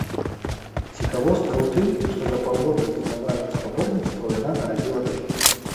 Цікавостка ў тым, што за паўгода да важных спаборніцтваў яна нарадзіла дачку.